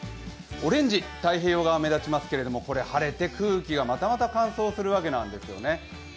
オレンジ、太平洋側、目立ちますけど空気が、またまた乾燥するわけなんですよね。